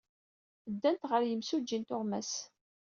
Ddant ɣer yimsujji n tuɣmas.